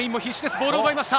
ボールを奪いました。